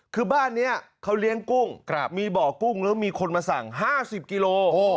คือบ้านนี้เขาเลี้ยงกุ้งมีบ่อกุ้งแล้วมีคนมาสั่ง๕๐กิโล